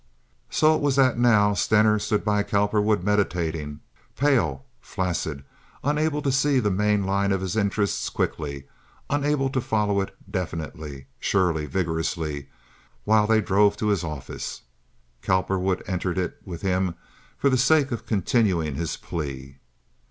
So it was that now, Stener stood by Cowperwood meditating—pale, flaccid; unable to see the main line of his interests quickly, unable to follow it definitely, surely, vigorously—while they drove to his office. Cowperwood entered it with him for the sake of continuing his plea.